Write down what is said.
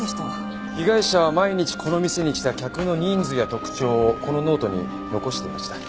被害者は毎日この店に来た客の人数や特徴をこのノートに残していました。